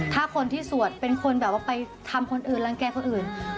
ถ้าคนที่สวดเป็นคนแบบว่าไปทำคนอื่นรังแก่คนอื่น